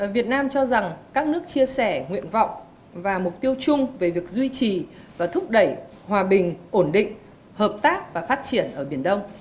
việt nam cho rằng các nước chia sẻ nguyện vọng và mục tiêu chung về việc duy trì và thúc đẩy hòa bình ổn định hợp tác và phát triển ở biển đông